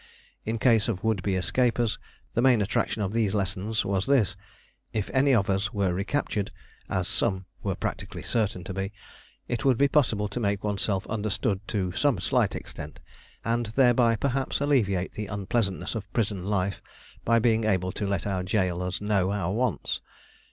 In the case of would be escapers, the main attraction of these lessons was this: if any of us were recaptured, as some were practically certain to be, it would be possible to make oneself understood to some slight extent, and thereby perhaps alleviate the unpleasantness of prison life by being able to let our jailers know our wants.